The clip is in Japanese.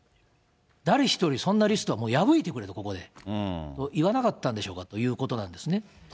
誰一人、そんなリストは破いてくれと、ここでと、言わなかったんでしょうかということなんですね。